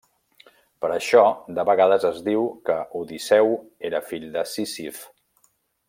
Per això de vegades es diu que Odisseu era fill de Sísif.